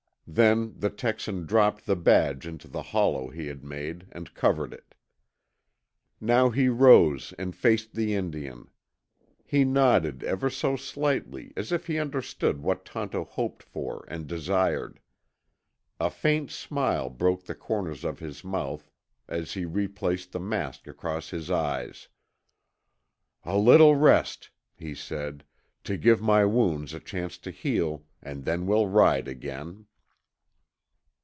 Then the Texan dropped the badge into the hollow he had made, and covered it. Now he rose and faced the Indian. He nodded ever so slightly as if he understood what Tonto hoped for and desired. A faint smile broke the corners of his mouth as he replaced the mask across his eyes. "A little rest," he said, "to give my wounds a chance to heal, and then we'll ride again!"